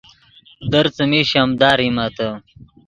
در څیمی شیمدا ریمتے